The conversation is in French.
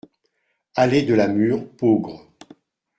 Allée de la Mûre, Peaugres